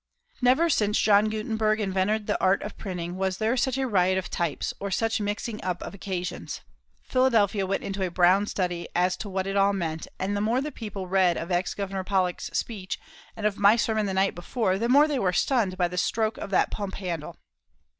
Never since John Gutenberg invented the art of printing was there such a riot of types or such mixing up of occasions. Philadelphia went into a brown study as to what it all meant, and the more the people read of ex Governor Pollock's speech and of my sermon of the night before, the more they were stunned by the stroke of that pump handle.